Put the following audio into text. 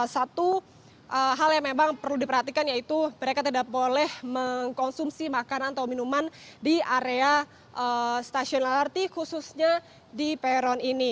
satu hal yang memang perlu diperhatikan yaitu mereka tidak boleh mengkonsumsi makanan atau minuman di area stasiun lrt khususnya di peron ini